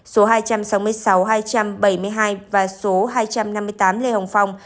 số hai trăm sáu mươi sáu hai trăm bảy mươi hai và số hai trăm năm mươi tám lê hồng phong